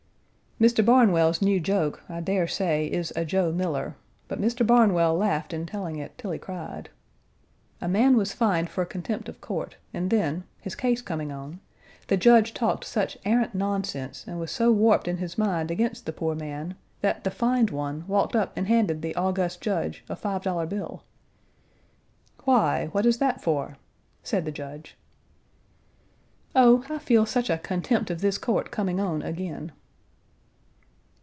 Mr. Barnwell's new joke, I dare say, is a Joe Miller, but Mr. Barnwell laughed in telling it till he cried. A man was fined for contempt of court and then, his case coming on, the Judge talked such arrant nonsense and was so warped in his mind against the poor man, that the "fined one" walked up and handed the august Judge a five dollar Page 111 bill. "Why? What is that for?" said the Judge. "Oh, I feel such a contempt of this court coming on again!"